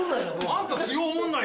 あんた強おもんない。